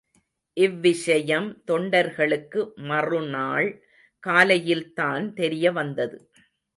இவ்விஷயம் தொண்டர்களுக்கு மறுநாள் காலையில்தான் தெரியவந்தது.